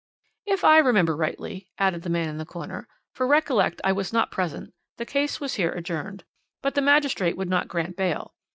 "If I remember rightly," added the man in the corner, "for recollect I was not present, the case was here adjourned. But the magistrate would not grant bail.